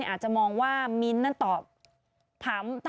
อาจจะมองว่ามิ้นท์